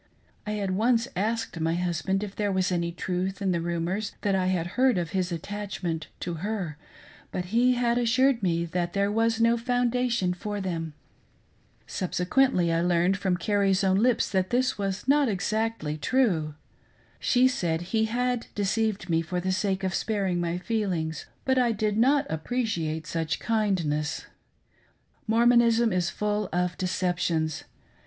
I had once asked my husband if there was any truth in the rumors that I had heard of his attachment to her, but he had assured me that there was no foundation for them. Subsequently I learned from Carrie's own lips that this was not exactly true. She said he had deceived me for the sake of sparing my feelings, but I did' not appreciate such kindness, Mormonism is full of decep tions.